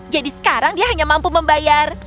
jadi sekarang dia hanya mampu membayar